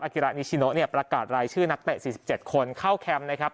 กิระนิชิโนเนี่ยประกาศรายชื่อนักเตะ๔๗คนเข้าแคมป์นะครับ